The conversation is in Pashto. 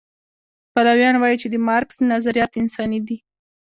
پلویان وایي چې د مارکس نظریات انساني دي.